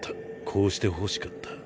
「こうしてほしかった」。